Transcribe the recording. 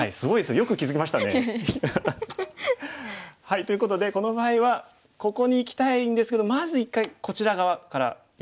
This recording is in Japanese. ということでこの場合はここにいきたいんですけどまず一回こちら側からいく。